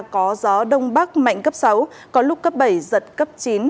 có gió đông bắc mạnh cấp sáu có lúc cấp bảy giật cấp chín